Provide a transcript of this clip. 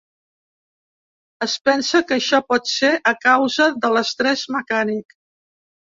Es pensa que això pot ser a causa de l'estrès mecànic.